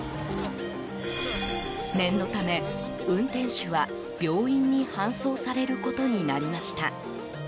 念のため、運転手は病院に搬送されることになりました。